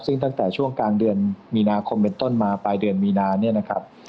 ซึ่งตั้งแต่ช่วงกลางเดือนมีนาคมเป็นต้นมาปลายเดือนมีนาเนี่ยนะครับ